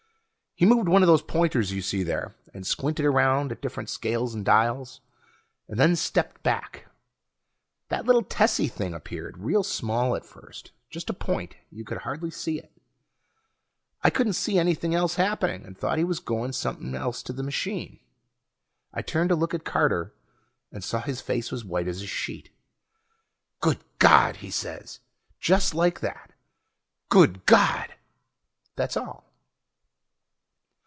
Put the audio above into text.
He moved one of those pointers you see there, and squinted around at the different scales and dials, and then stepped back. That little tessy thing appeared, real small at first. Just a point; you could hardly see it. I couldn't see anything else happening, and thought he was gonna do somepin' else to the machine. I turned to look at Carter, and saw his face was white as a sheet. "Good Gawd!" he says, just like that: "Good Gawd!" That's all.